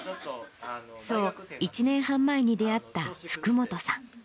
そう、１年半前に出会った福本さん。